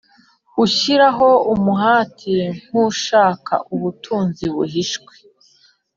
gushyiraho imihate nk ushaka ubutunzi buhishwe